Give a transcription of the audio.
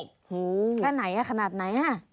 แค่ไหนขนาดไหน